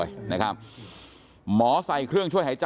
พี่สาวของเธอบอกว่ามันเกิดอะไรขึ้นกับพี่สาวของเธอ